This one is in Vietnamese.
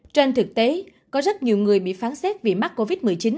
trên thực tế có rất nhiều người bị phán xét vì mắc covid một mươi chín